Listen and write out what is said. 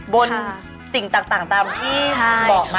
บนสิ่งต่างที่บอกมาใช่มั้ยคะ